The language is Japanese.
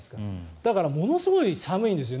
だからものすごく寒いんですよね